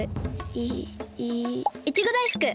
いいいちごだいふく！